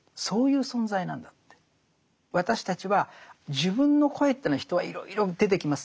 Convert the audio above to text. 私たちは自分の声というのは人はいろいろ出てきますね。